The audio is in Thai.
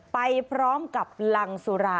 ไปพร้อมกับรังสุรา